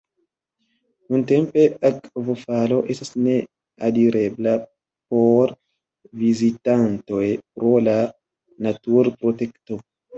Nuntempe akvofalo estas ne alirebla por vizitantoj pro la naturprotekto.